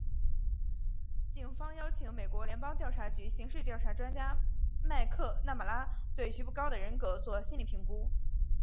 警方邀请美国联邦调查局刑事调查专家麦克纳马拉对徐步高的人格作心理评估。